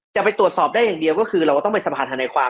จะไปตรวจสอบได้อย่างเดียวก็คือเราก็ต้องเป็นสภาธนาความ